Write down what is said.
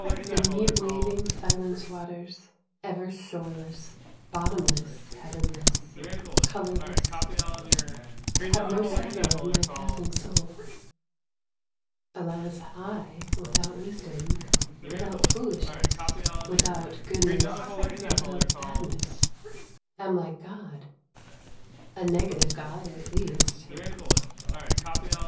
. The mute waving silence waters, ever shoreless, bottomless heavenless, colourless, have no shadow of my passing soul. Alas, I, without wisdom, without foolishness, without good ness, without badness, — am like God, a negative god at least